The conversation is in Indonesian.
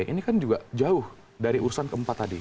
ini kan juga jauh dari urusan keempat tadi